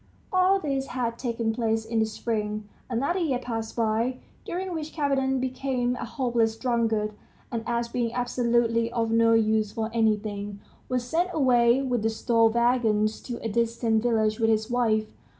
All this had taken place in the spring. Another year passed by, during which Kapiton became a hopeless drunkard, and as being absolutely of no use for anything, was sent away with the store wagons to a distant village with his wife.